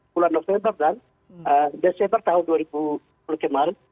bulan november dan desember tahun dua ribu kemarin